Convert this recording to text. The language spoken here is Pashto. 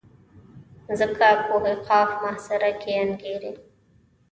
ځمکه کوه قاف محاصره کې انګېري.